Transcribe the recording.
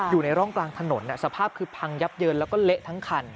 อยู่ในร่องกลางถนนสภาพคือพังยับเยินแล้วก็เละทั้งคัน